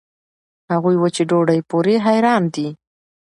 هغوي وچې ډوډوۍ پورې حېران دي.